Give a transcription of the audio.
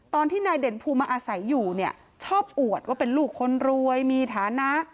ตอนที่นายเด่นภูมิมาอาศัยอยู่เนี่ยชอบอวดว่าเป็นลูกคนรวยมีฐานะ